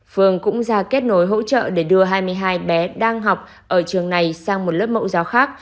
phường cũng ra kết nối hỗ trợ để đưa hai mươi hai bé đang học ở trường này sang một lớp mẫu giáo khác